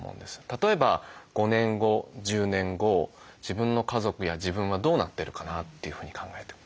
例えば５年後１０年後自分の家族や自分はどうなってるかなというふうに考えて。